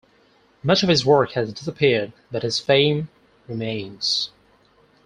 Much of his work has disappeared, but his fame remains.